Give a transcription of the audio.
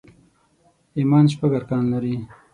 ايمان شپږ ارکان لري